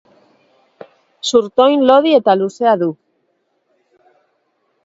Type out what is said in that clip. Zurtoin lodi eta luzea du.